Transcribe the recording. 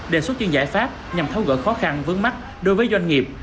đề xuất chuyên giải pháp nhằm thấu gỡ khó khăn vấn mắc đối với doanh nghiệp